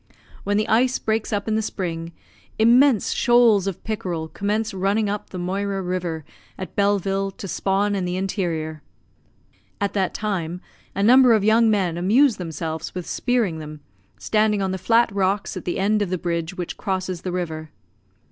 When the ice breaks up in the spring, immense shoals of pickerel commence running up the Moira river, at Belleville, to spawn in the interior. At that time a number of young men amuse themselves with spearing them, standing on the flat rocks at the end of the bridge which crosses the river.